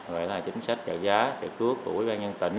rồi là chính sách trợ giá trợ cướp của ủy ban nhân tỉnh